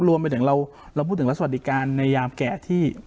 รวมไปถึงเราพูดถึงรัฐสวัสดิการในยามแกะที่